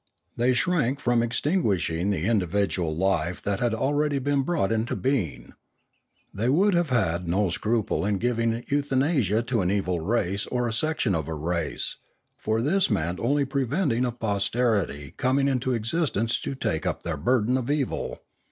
They shrank from extinguishing the individual life that had already been brought into being. They would have had no scruple in giving euthanasia to an evil race or a section of a race; for this meant only preventing a posterity coming into existence to take up their burden of evil.